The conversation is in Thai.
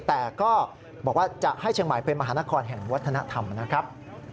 แต่ก็บอกว่าจะให้เชียงใหม่เป็นมหานครแห่งวัฒนธรรมนะครับ